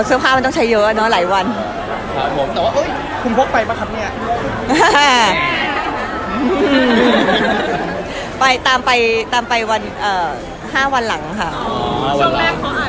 ช่วงแม่เขาอาจจะไม่ได้ว่างอะไรอย่างนี้หรือคะ